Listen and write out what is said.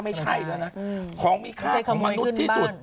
ไม่ใช่แล้วนะของมีค่าของมนุษย์ที่สุด